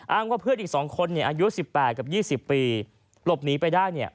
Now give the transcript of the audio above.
อ้างว่าเพื่อนอีก๒คนอายุ๑๘กับ๒๐ปีหลบหนีไปได้